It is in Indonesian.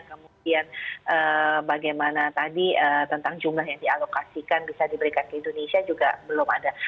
kemudian bagaimana tadi tentang jumlah yang dialokasikan bisa diberikan ke indonesia juga belum ada